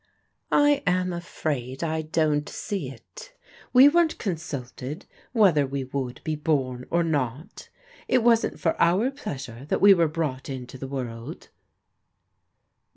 " I am afraid I don't see it. We weren't consulted whether we would be bom or not. It wasn't for our pleasure that we were brought into the world."